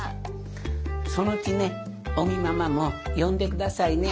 そのうちね尾木ママも呼んで下さいね。